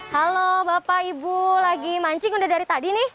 halo bapak ibu lagi mancing udah dari tadi nih